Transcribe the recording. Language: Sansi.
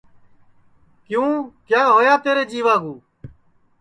کیوں کیا ہوا تیرے جیوا کُو